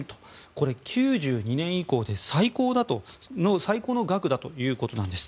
これ、９２年以降で最高の額だということです。